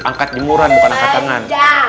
angkat jemuran bukan angkat tangan